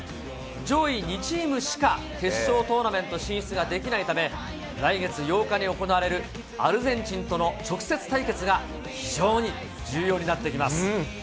上位２チームしか決勝トーナメント進出ができないため、来月８日に行われるアルゼンチンとの直接対決が非常に重要になってきます。